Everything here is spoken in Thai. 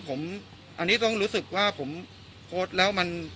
อันนี้ต้องรู้สึกว่าผมโพสต์แล้วมัน